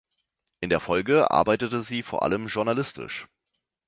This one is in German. In der Folge arbeitete sie vor allem journalistisch.